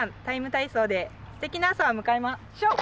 ＴＩＭＥ，体操」ですてきな朝を迎えましょう。